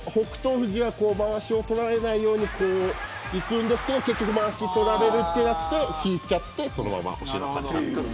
富士はまわしを取られないようにいくんですけど結局まわしを取られるってなって引いちゃってそのまま押し出された。